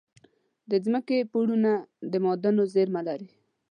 د ځمکې پوړونه د معادنو زیرمه لري.